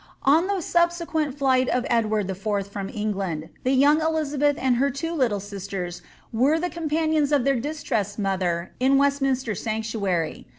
On the subsequent flight of Edward IV. from England, the yoong Elizabeth and her two little sisters were the companions of their distrnsed mother in Westminster sanctuary.